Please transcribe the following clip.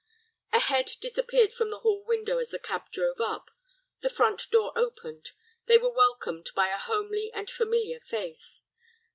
A head disappeared from the hall window as the cab drove up; the front door opened; they were welcomed by a homely and familiar face.